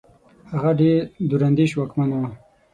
هغه ډېر دور اندېش واکمن وو.